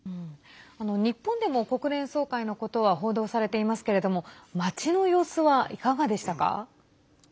日本でも国連総会のことは報道されていますけれども街の様子は、いかがでしたか？